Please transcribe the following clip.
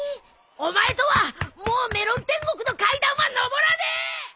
お前とはもうメロン天国の階段は上らねえ！